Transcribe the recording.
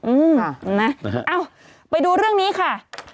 อื้อนะเอ้าไปดูเรื่องนี้ค่ะ